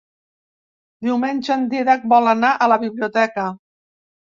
Diumenge en Dídac vol anar a la biblioteca.